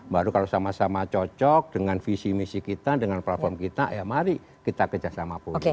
baru kalau sama sama cocok dengan visi misi kita dengan platform kita ya mari kita kerjasama publik